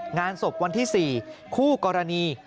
งานศพวันที่๔คู่กรณี